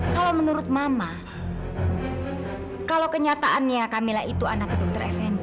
kalau menurut mama kalau kenyataannya kamila itu anaknya dokter fnd